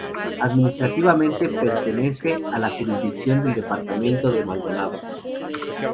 Administrativamente pertenece a la jurisdicción del departamento de Maldonado.